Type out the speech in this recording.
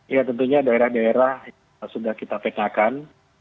iya tentunya daerah daerah sudah kita teknakan